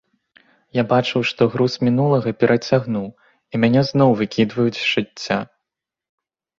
Я бачыў, што груз мінулага перацягнуў і мяне зноў выкідваюць з жыцця.